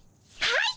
はい！